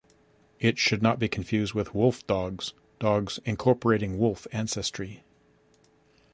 It should not be confused with wolfdogs, dogs incorporating wolf ancestry.